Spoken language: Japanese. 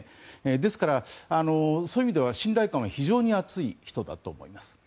ですから、そういう意味では信頼感は非常に厚い人だと思います。